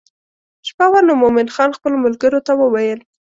شپه وه نو مومن خان خپلو ملګرو ته وویل.